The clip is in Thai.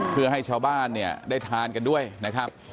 เพื่อให้ชาวบ้านเนี่ยได้ทานกันด้วยนะครับ